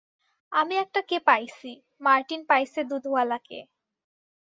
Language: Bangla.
আমি একটা কে পাইছি, মার্টিন পাইছে দুধওয়ালা কে।